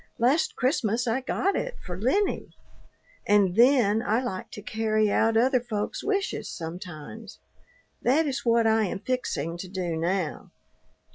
Last Christmas I got it for Lennie. And then I like to carry out other folks' wishes sometimes. That is what I am fixing to do now.